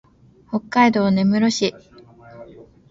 北海道根室市